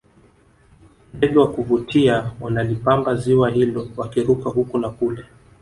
ndege wa kuvutia wanalipamba ziwa hilo wakiruka huku na kule